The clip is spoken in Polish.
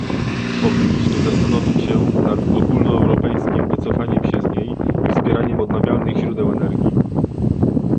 Powinniśmy zastanowić się nad ogólnoeuropejskim wycofaniem się z niej i wspieraniem odnawialnych źródeł energii